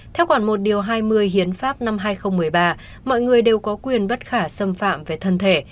theo khoản một hai mươi hiến pháp năm hai nghìn một mươi ba mọi người đều có quyền bất khả xâm phạm về thân thể